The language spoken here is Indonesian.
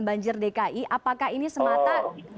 dan banjir dki apakah ini semata